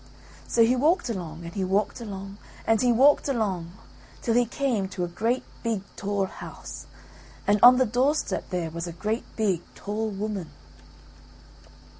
So he walked along and he walked along and he walked along till he came to a great big tall house, and on the doorstep there was a great big tall woman.